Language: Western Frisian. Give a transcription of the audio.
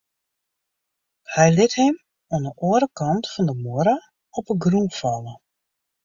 Hy liet him oan 'e oare kant fan de muorre op 'e grûn falle.